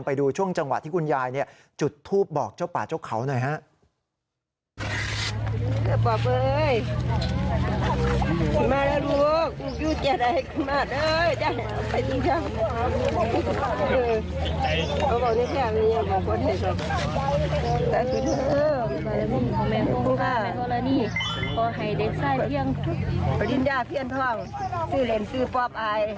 ไปดูช่วงจังหวะที่คุณยายจุดทูปบอกเจ้าป่าเจ้าเขาหน่อยฮะ